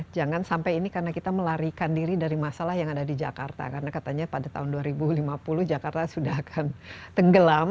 jangan sampai ini karena kita melarikan diri dari masalah yang ada di jakarta karena katanya pada tahun dua ribu lima puluh jakarta sudah akan tenggelam